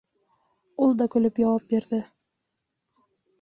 Ул да көлөп яуап бирҙе: